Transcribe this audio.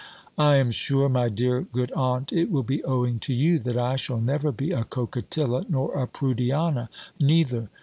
"I am sure, my dear good aunt, it will be owing to you, that I shall never be a Coquetilla, nor a Prudiana neither.